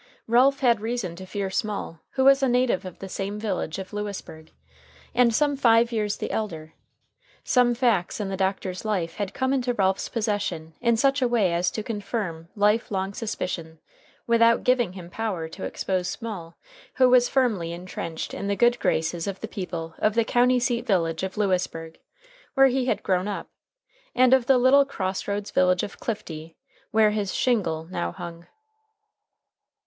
Ralph had reason to fear Small, who was a native of the same village of Lewisburg, and some five years the elder. Some facts in the doctor's life had come into Ralph's possession in such a way as to confirm life long suspicion without giving him power to expose Small, who was firmly intrenched in the good graces of the people of the county seat village of Lewisburg, where he had grown up, and of the little cross roads village of Clifty, where his "shingle" now hung.